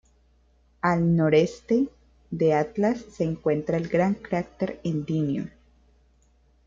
Al noreste de Atlas se encuentra el gran cráter Endymion.